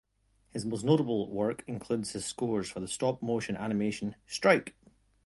His most notable work includes his scores for the stop motion animation Strike!